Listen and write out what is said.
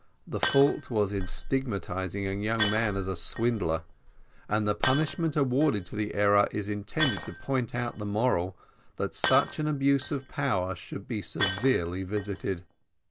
The fault was in stigmatising a young man as a swindler, and the punishment awarded to the error is intended to point out the moral, that such an abuse of power should be severely visited.